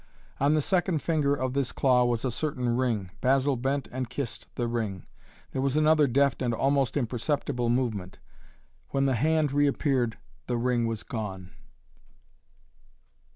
On the second finger of this claw was a certain ring. Basil bent and kissed the ring. There was another deft and almost imperceptible movement. When the hand reappeared the ring was gone.